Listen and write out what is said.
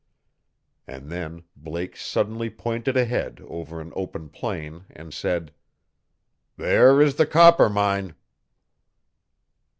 And then Blake suddenly pointed ahead over an open plain and said: "There is the Coppermine."